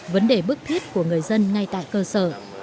vấn đề bức thiết của người dân ngay tại cơ sở